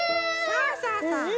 そうそうそう。